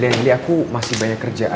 angelina aku masih banyak kerjaan